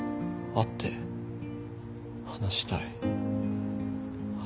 会って話したい。